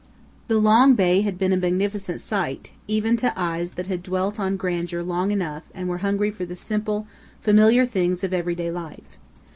The long bay had been a magnificent sight, even to eyes that had dwelt on grandeur long enough and were hungry for the simple, familiar things of everyday life.